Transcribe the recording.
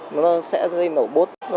nó sẽ dây nổ bốt